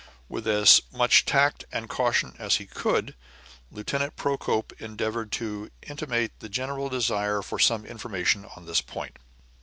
With as much tact and caution as he could, Lieutenant Procope endeavored to intimate the general desire for some information on this point.